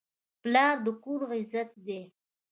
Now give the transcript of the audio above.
پلار د کور عزت دی.